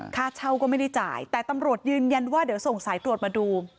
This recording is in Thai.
ค่าเช่าก็ไม่ได้จ่ายแต่ตำรวจยืนยันว่าเดี๋ยวส่งสายตรวจมาดู